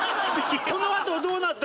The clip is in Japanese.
「このあとどうなった？」